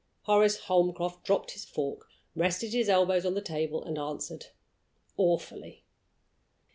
Horace Holmcroft dropped his fork, rested his elbows on the table, and answered: "Awfully."